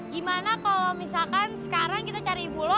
gimana kalau misalkan sekarang kita cari ibu lo